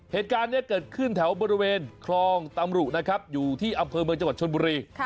เหตุการณ์นี้เกิดขึ้นแถวบริเวณคลองตำรุนะครับอยู่ที่อำเภอเมืองจังหวัดชนบุรี